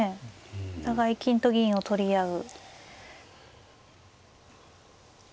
お互い金と銀を取り合う。